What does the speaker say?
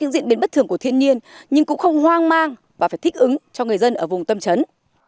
đất thường của thiên nhiên nhưng cũng không hoang mang và phải thích ứng cho người dân ở vùng tâm trấn